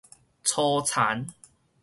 粗殘